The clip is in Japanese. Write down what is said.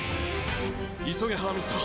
急げハーミット